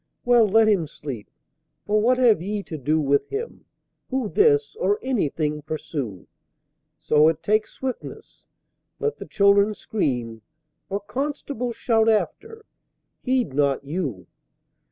Well, let him sleep! For what have ye to do With him, who this or Anything pursue So it take swiftness? Let the Children scream, Or Constables shout after heed not you.